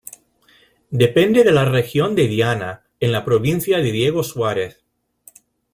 Depende de la región de Diana, en la provincia de Diego Suárez.